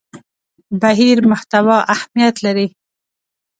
بهیر محتوا اهمیت لري.